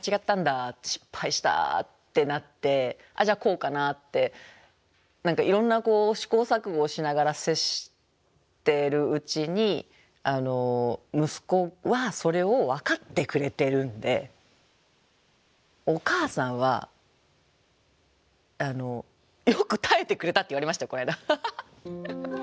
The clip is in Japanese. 失敗した」ってなって「あっじゃあこうかな」って何かいろんな試行錯誤をしながら接してるうちに息子はそれを分かってくれてるんで「お母さんはよく耐えてくれた」って言われましたこの間。